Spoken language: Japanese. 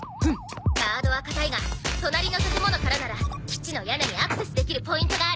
ガードは堅いが隣の建物からなら基地の屋根にアクセスできるポイントがある。